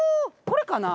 これかな？